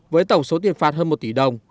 với tổng số tiền phạt hơn một tỷ đồng